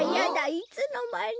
いつのまに。